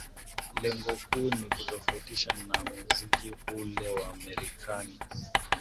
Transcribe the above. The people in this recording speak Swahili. Lengo kuu ni kuitofautisha na muziki ule wa Marekani